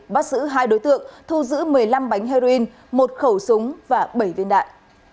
bắt giữ hai đối tượng thu giữ một mươi năm bánh heroin một khẩu súng và bảy viên đạn